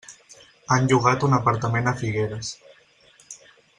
Han llogat un apartament a Figueres.